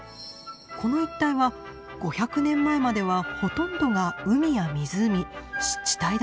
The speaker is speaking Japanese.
この一帯は５００年前まではほとんどが海や湖湿地帯だった。